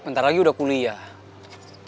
ntar lagi udah kuliah